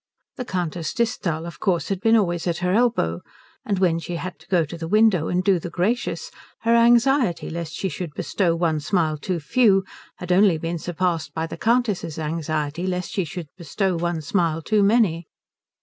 The Countess Disthal, of course, had been always at her elbow, and when she had to go to the window and do the gracious her anxiety lest she should bestow one smile too few had only been surpassed by the Countess's anxiety lest she should bestow one smile too many.